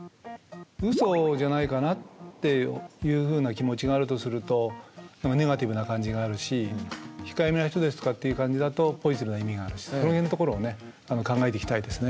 ウソじゃないかなっていうふうな気持ちがあるとするとネガティブな感じがあるし控えめな人ですとかっていう感じだとポジティブな意味があるしその辺のところをね考えていきたいですね。